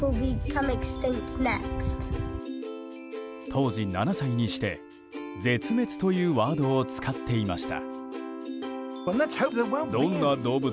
当時７歳にして「絶滅」というワードを使っていました。